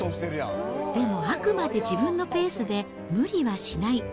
でもあくまで自分のペースで無理はしない。